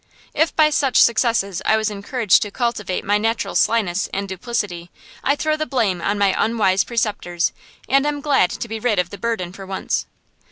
If by such successes I was encouraged to cultivate my natural slyness and duplicity, I throw the blame on my unwise preceptors, and am glad to be rid of the burden for once.